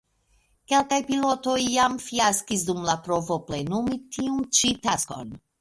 Kelkaj pilotoj jam fiaskis dum la provo plenumi tiun ĉi taskon.